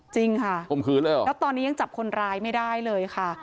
จริงค่ะแล้วตอนนี้ยังจับคนร้ายไม่ได้เลยค่ะ